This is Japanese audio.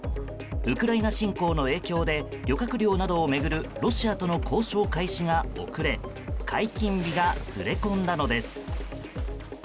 ウクライナ侵攻の影響で漁獲量などを巡るロシアとの交渉開始が遅れ解禁日がずれ込んだのです。